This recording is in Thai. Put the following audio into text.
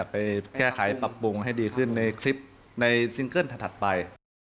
ไปแก้ไขปรับปรุงให้ดีขึ้นในคลิปในซิงเกิ้ลถัดไป